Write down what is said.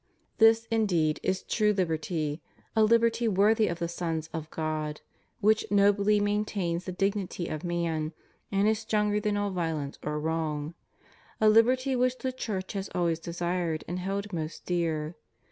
This, indeed, 156 HUMAN LIBERTY. is true liberty, a liberty worthy of the sons of God, which nobly maintains the dignity of man, and is stronger than all violence or wrong — a hberty which the Church has always desired and held most dear.